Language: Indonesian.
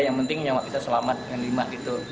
yang penting nyawa kita selamat yang lima gitu